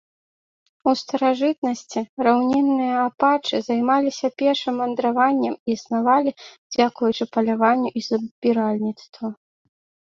У старажытнасці раўнінныя апачы займаліся пешым вандраваннем і існавалі дзякуючы паляванню і збіральніцтву.